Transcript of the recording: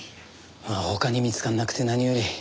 まあ他に見つからなくて何より。